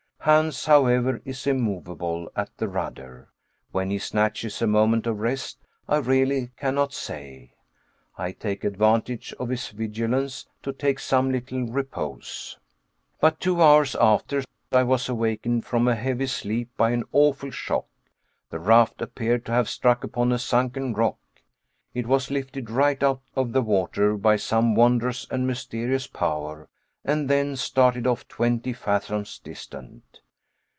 Hans, however, is immovable at the rudder. When he snatches a moment of rest I really cannot say. I take advantage of his vigilance to take some little repose. But two hours after I was awakened from a heavy sleep by an awful shock. The raft appeared to have struck upon a sunken rock. It was lifted right out of the water by some wondrous and mysterious power, and then started off twenty fathoms distant.